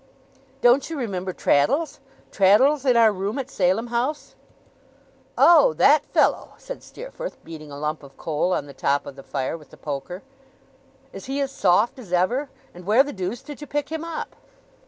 'Don't you remember Traddles? Traddles in our room at Salem House?' 'Oh! That fellow!' said Steerforth, beating a lump of coal on the top of the fire, with the poker. 'Is he as soft as ever? And where the deuce did you pick him up?